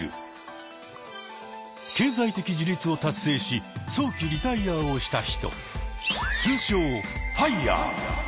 経済的自立を達成し早期リタイアをした人。